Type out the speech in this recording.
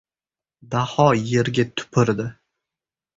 Daho yerga tupurdi.